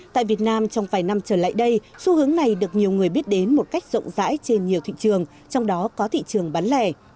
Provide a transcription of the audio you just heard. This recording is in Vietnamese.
tại việt nam trong vài năm trở lại đây xu hướng này được nhiều người biết đến một cách rộng rãi trên nhiều thị trường trong đó có thị trường bán lẻ